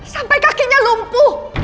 sampai kakinya lumpuh